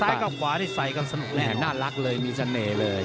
กับขวานี่ใส่กันสนุกแน่น่ารักเลยมีเสน่ห์เลย